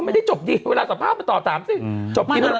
ไม่ได้จบดีเวลาสัมภาษณ์ก็ตอบตามสิ